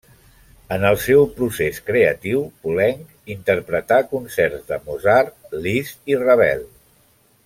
En el seu procés creatiu Poulenc interpretà concerts de Mozart, Liszt, Ravel.